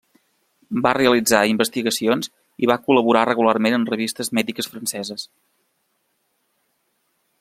Va realitzar investigacions i va col·laborar regularment en revistes mèdiques franceses.